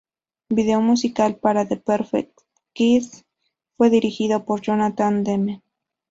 El vídeo musical para "The Perfect Kiss" fue dirigido por Jonathan Demme.